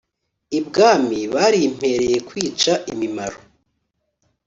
Ibwami barimpereye kwica imimaro.